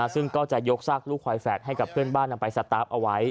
ซึ่งก็จะยกซากลูกควายแฝดให้กับเพื่อนบ้านนำไปสตาร์ฟเอาไว้